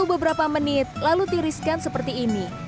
beberapa menit lalu tiriskan seperti ini